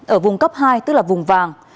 ở vùng cấp hai tức là vùng vàng